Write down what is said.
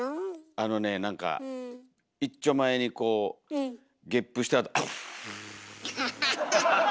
あのねなんかいっちょまえにこうゲップしたあと「アブゥ」。